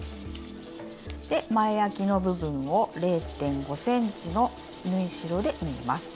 前あきの部分を０．５ｃｍの縫い代で縫います。